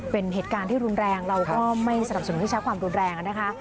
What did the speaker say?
เป็นเหตุการณ์ที่รุนแรงเราก็ไม่สนับสนุนให้ใช้ความรุนแรงนะคะ